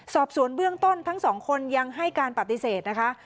สอบสวนเบื้องต้นทั้งสองคนยังให้การปฏิเสธนะคะ